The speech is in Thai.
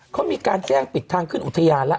เขามีการแจ้งปิดทางขึ้นอุทยานแล้ว